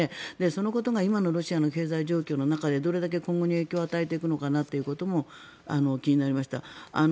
そのことが今のロシアの経済状況の中でどれだけ今後に影響を与えていくのかなということも気になりました。